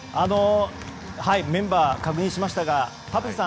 メンバー、確認しましたが田臥さん